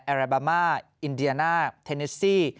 อาราบามาอินเดียน่าเทเนสซี่